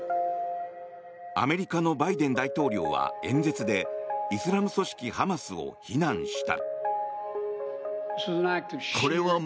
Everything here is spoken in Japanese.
アメリカのバイデン大統領は演説でイスラム組織ハマスを非難した。